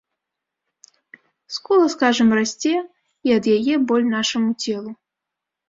Скула, скажам, расце, і ад яе боль нашаму целу.